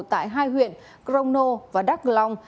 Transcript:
tại hai huyện crono và đắk long